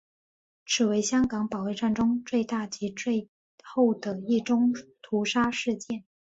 此为香港保卫战中最后及最大一宗屠杀事件。